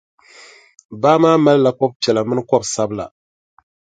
Baa maa malila kɔbʼ piɛla mini kɔbʼ sabila.